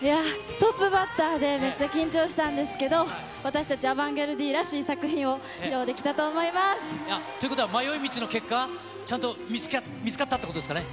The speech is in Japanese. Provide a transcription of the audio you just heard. トップバッターでめっちゃ緊張したんですけど、私たち、アバンギャルディらしい作品を披ということは、迷い道の結果、ちゃんと見つかったってことですかね。